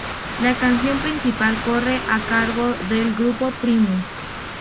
La canción principal corre a cargo del grupo Primus.